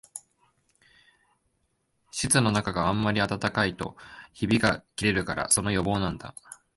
室のなかがあんまり暖かいとひびがきれるから、その予防なんだ